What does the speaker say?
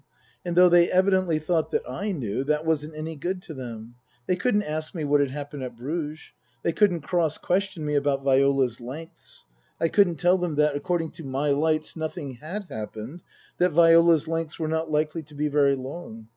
And though they evidently thought that I knew, that wasn't any good to them. They couldn't ask me what had happened at Bruges. They couldn't cross question me about Viola's " lengths." I couldn't tell them that, according to my lights, nothing had happened, that Viola's lengths were not likely to be very long.